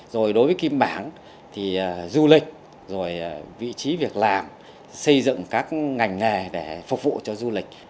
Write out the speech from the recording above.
rồi đối với kim bảng thì du lịch rồi vị trí việc làm xây dựng các ngành nghề để phục vụ cho du lịch